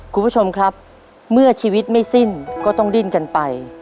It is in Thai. คุณผู้ชมครับเมื่อชีวิตไม่สิ้นก็ต้องดิ้นกันไป